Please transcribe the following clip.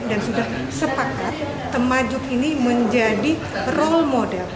dan sudah sepakat temajuk ini menjadi role model